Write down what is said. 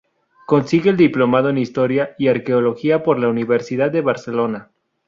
Consigue el Diplomado en Historia y Arqueología por la Universidad de Barcelona.